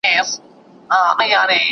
¬ بد ياران په بده ورځ په کارېږي